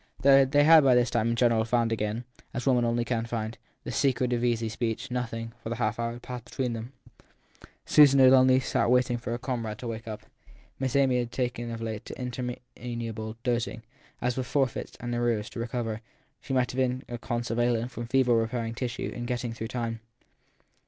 Though they had by this time, in gen eral, found again as women only can find the secret of easy speech, nothing, for the half hour, had passed between them : Susan had only sat waiting for her comrade to wake up. Miss Amy had taken of late to interminable dozing as if with forfeits and arrears to recover ; she might have been a convalescent from fever repairing tissue and getting through time.